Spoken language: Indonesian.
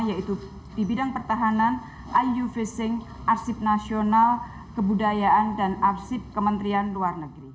yaitu di bidang pertahanan iu fishing arsip nasional kebudayaan dan arsip kementerian luar negeri